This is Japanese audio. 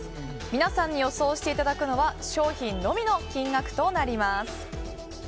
皆さんに予想していただくのは商品のみの金額となります。